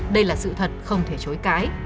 đây là sự thật không thể chối cãi